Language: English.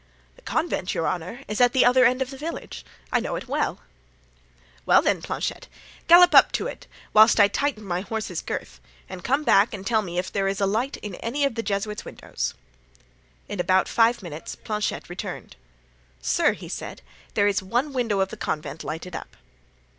"The convent, your honor, is at the other end of the village; I know it well." "Well, then, Planchet, gallop up to it whilst I tighten my horse's girth, and come back and tell me if there is a light in any of the Jesuits' windows." In about five minutes Planchet returned. "Sir," he said, "there is one window of the convent lighted up."